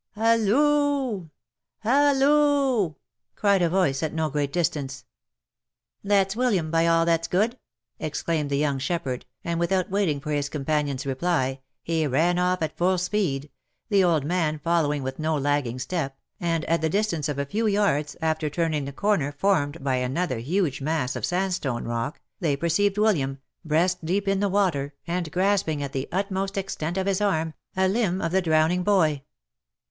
Halloo ! Halloo !" cried a voice at no great distance. " That's William, by all that's good !" exclaimed the young shep herd, and without waiting for his companion's reply, he ran off at full speed, the old man following with no lagging step, and at the distance of a few yards, after turning the corner formed by another huge mass of sandstone rock, they perceived William, breast deep in the water, and grasping, at the utmost extent of his arm, a limb of the drowning boy.